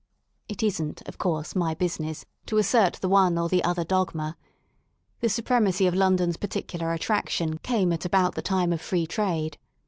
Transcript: It isn't, of course, my business to assert the one or the other dog^ma. The supremacy of London^s particular attraction came at about the time of Free Trade.